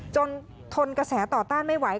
ทนกระแสต่อต้านไม่ไหว